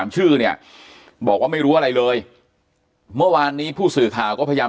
ชื่อเนี่ยบอกว่าไม่รู้อะไรเลยเมื่อวานนี้ผู้สื่อข่าวก็พยายาม